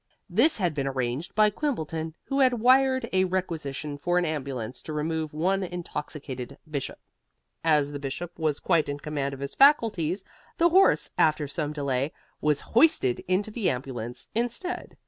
This had been arranged by Quimbleton, who had wired a requisition for an ambulance to remove one intoxicated bishop. As the Bishop was quite in command of his faculties, the horse, after some delay, was hoisted into the ambulance instead.